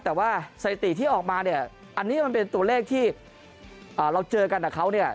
แต่ว่าสถิติที่ออกมาเนี่ยอันนี้มันเป็นตัวเลขที่เราเจอกันกับเขาเนี่ย